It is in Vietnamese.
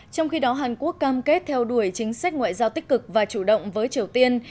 trong khi đó hàn quốc cam kết theo đuổi chính sách ngoại giao tích cực và chủ động với triều tiên